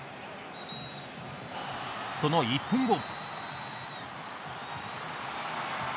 その１分後。